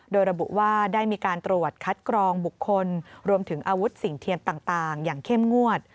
โดยระบุว่าได้มีการตรวจคัดกรองบุคคลรวมถึงอาวุธสิ่งเทียนต่างอย่างเข้มงวด